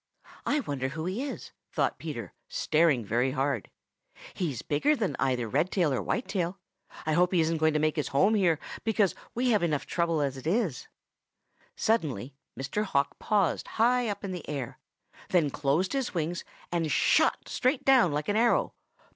"I wonder who he is?" thought Peter, staring very hard. "He's bigger than either Redtail or Whitetail. I hope he isn't going to make his home here, because we have trouble enough as it is." Suddenly Mr. Hawk paused high up in the air, then closed his wings and shot straight down like an arrow.